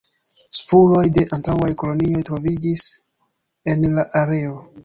Spuroj de antaŭaj kolonioj troviĝis en la areo.